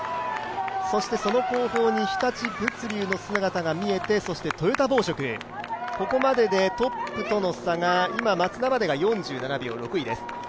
そしてその後方に日立物流の姿が見えてそしてトヨタ紡織、ここまででトップとの差が今マツダまでが４７秒、６位です。